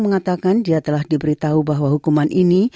mengatakan dia telah diberitahu bahwa hukuman ini